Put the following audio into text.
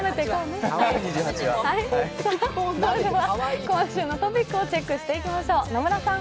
まずは、今週のトピックをチェックしていきましょう。